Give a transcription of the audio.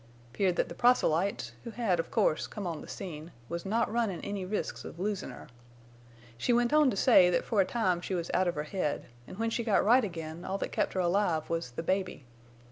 'Peared that the proselytes, who had, of course, come on the scene, was not runnin' any risks of losin' her. She went on to say that for a time she was out of her head, an' when she got right again all that kept her alive was the baby.